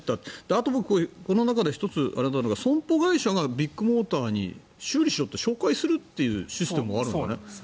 あと僕、この中で１つあれなのが損保会社がビッグモーターに修理しろって紹介するシステムがあるんですね。